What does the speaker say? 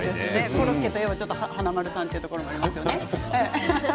コロッケといえば華丸さんというところがありますね。